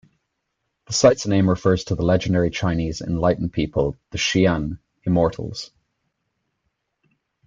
The site's name refers to the legendary Chinese enlightened people, the Xian "immortals".